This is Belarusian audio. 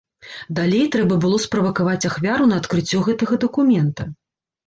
Далей трэба было справакаваць ахвяру на адкрыццё гэтага дакумента.